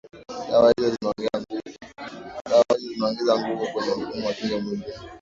dawa hizo zinaongeza nguvu kwenye mfumo wa kinga mwilini